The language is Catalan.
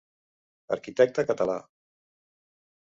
Arquitecte català.